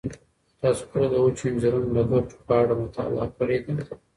تاسو کله د وچو انځرونو د ګټو په اړه مطالعه کړې ده؟